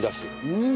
うん！